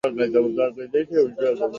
আপনার জন্মদিনের উপহার হিসেবে আর কী দরকার?